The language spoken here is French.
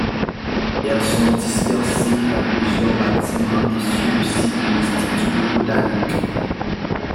Elles sont dispersées dans plusieurs bâtiments et sur le site de l'Institut de Botanique.